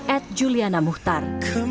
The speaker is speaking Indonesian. at juliana muhtar